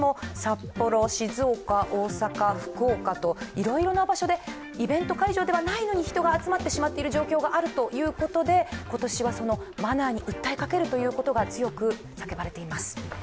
いろいろな場所でイベント会場ではないのに人が集まってしまっている状況があるということで今年はマナーに訴えかけるということが強くさけばれています。